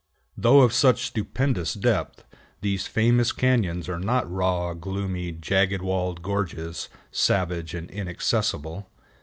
Though of such stupendous depth, these famous cañons are not raw, gloomy, jagged walled gorges, savage and inaccessible.